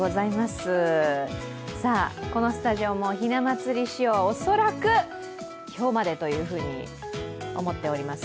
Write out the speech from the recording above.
さあ、このスタジオもひな祭り仕様、おそらく、今日までというふうに思っております。